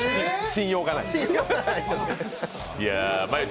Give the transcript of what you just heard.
信用がない？